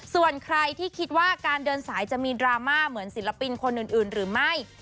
ส่วนใครที่คิดว่าการเดินสายจะมีดราม่าเหมือนศิลปินคนอื่นหรือไม่